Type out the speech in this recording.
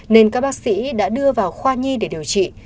nên các bác sĩ đã đưa vào khoa nhi để điều trị